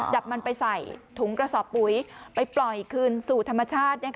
จับมันไปใส่ถุงกระสอบปุ๋ยไปปล่อยคืนสู่ธรรมชาติ